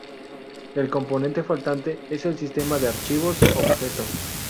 El componente faltante es el sistema de archivos-objeto.